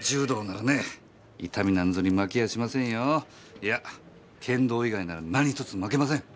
いや剣道以外なら何ひとつ負けません！